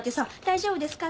「大丈夫ですか？」